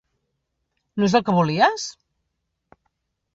No és el que volies?